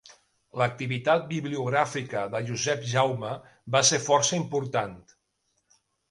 L'activitat bibliogràfica de Josep Jaume va ser força important.